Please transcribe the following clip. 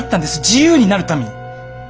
自由になるために。